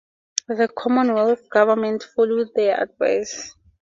The Commonwealth government followed their advice.